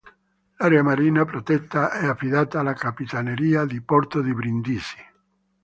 L'area marina protetta è affidata alla capitaneria di porto di Brindisi.